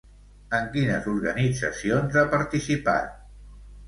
En quines organitzacions ha participat?